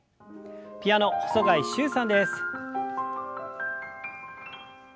ピアノ細貝柊さんです。